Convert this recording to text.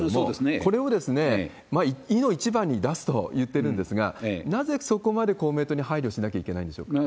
これをいの一番に出すといってるんですが、なぜそこまで公明党に配慮しなきゃいけないんでしょうか？